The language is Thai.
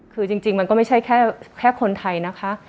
คือจริงมันก็ไม่ใช่แค่คนไทยนะคะ